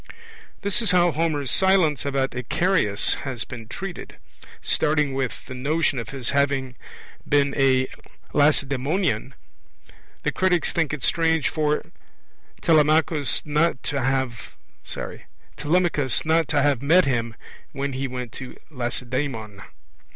This is how Homer's silence about Icarius has been treated. Starting with, the notion of his having been a Lacedaemonian, the critics think it strange for Telemachus not to have met him when he went to Lacedaemon.